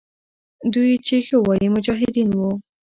دوی چې ښه وایي، مجاهدین وو.